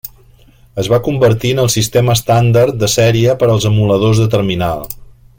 Es va convertir en el sistema estàndard de sèrie per als emuladors de terminal.